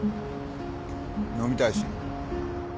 飲みたいし。